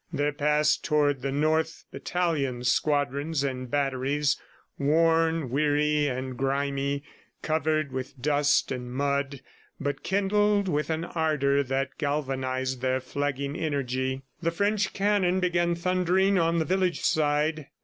There passed toward the North battalions, squadrons and batteries, worn, weary and grimy, covered with dust and mud, but kindled with an ardor that galvanized their flagging energy. The French cannon began thundering on the village side.